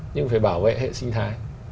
nhưng phải bảo vệ hệ sinh thái